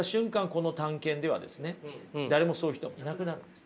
この探検ではですね誰もそういう人がいなくなるんです。